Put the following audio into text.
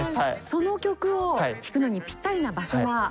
その曲を弾くのにぴったりな場所は？